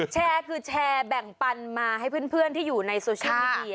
แชร์คือแชร์แบ่งปันมาให้เพื่อนที่อยู่ในโซเชียลมีเดีย